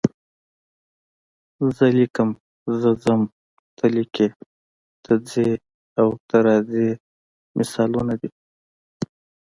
زه لیکم، زه ځم، ته لیکې، ته ځې او ته راځې مثالونه دي.